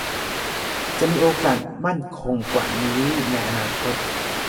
จะมีโอกาสมั่นคงกว่านี้ในอนาคต